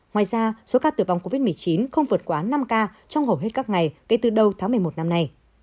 ngoài ra số ca tử vong covid một mươi chín không vượt quá năm ca trong hầu hết các ngày kể từ đầu tháng một mươi một năm nay